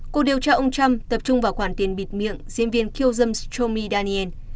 cuộc điều tra ông trump tập trung vào khoản tiền bịt miệng diễn viên khiêu dân tommy daniel